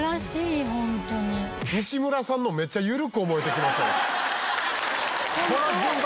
西村さんのめっちゃゆるく思えてきました。